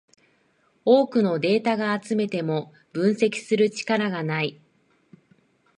多くのデータが集めても分析する力がない